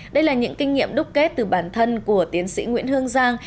đây là những kinh nghiệm đúc kết từ bản thân của tiến sĩ nguyễn hương giang